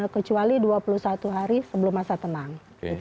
kecuali dua puluh satu hari sebelum masa tenang